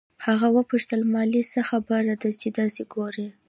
هغې وپوښتل مالې څه خبره ده چې دسې ګورې.